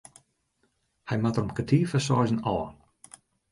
Hy moat der om kertier foar seizen ôf.